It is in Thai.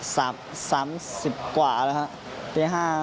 สามสิบกว่าแล้วตี๕